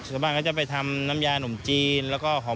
ส่วนมากส่วนมากก็จะไปทำน้ำยานหมุมจีนแล้วก็ห่อหมก